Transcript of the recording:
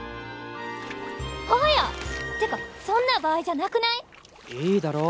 はぁや！ってかそんな場合じゃなくない？いいだろう？